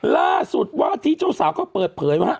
ล่าสุดว่าที่เจ้าสาวก็เปิดเผยว่า